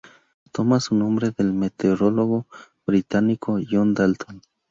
Toma su nombre del meteorólogo británico John Dalton.